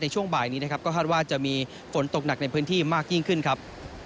ช่วงบ่ายนี้นะครับก็คาดว่าจะมีฝนตกหนักในพื้นที่มากยิ่งขึ้นครับ